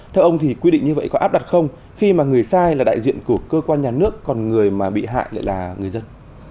theo ông thì quy định như vậy có áp đặt không khi mà người sai là đại diện của cơ quan nhà nước còn người mà bị hại lại là người dân